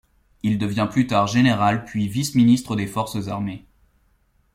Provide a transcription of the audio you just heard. Il devient plus tard général puis vice-ministre des forces armées.